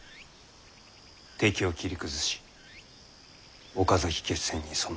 敵を切り崩し岡崎決戦に備える。